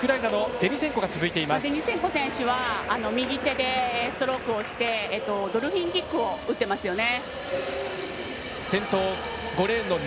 デニセンコ選手は右手でストロークしてドルフィンキックを打っていますよね。